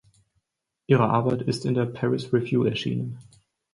Ihre Arbeit ist in der "Paris Review" erschienen.